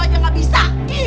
aja gak bisa